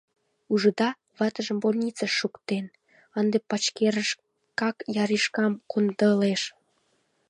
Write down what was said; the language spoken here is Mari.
Ужыда, ватыжым больницыш шуктен, ынде пачерышкак яришкам кондылеш...